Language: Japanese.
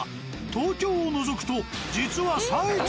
東京を除くと実は。